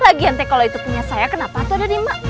lagian kalau itu punya saya kenapa tuh ada di mak